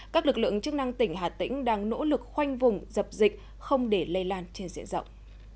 các lực lượng chức năng tỉnh hà tĩnh đang nỗ lực khoanh vùng dập dịch không để lây lan trên diện rộng